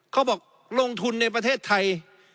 เขาบอกลงทุนในประเทศไทย